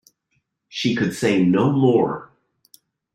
She could say no more.